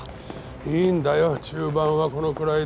いいんだよ中盤はこのくらいで。